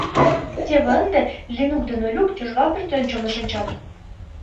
Теве ынде Ленук ден Олюк тӱжвал пӧртӧнчылнӧ шинчат.